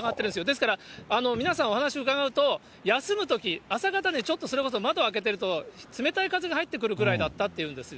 ですから皆さん、お話を伺うと、休むとき、朝方ね、ちょっとそれこそ窓開けてると、冷たい風が入ってくるぐらいだったっていうんです。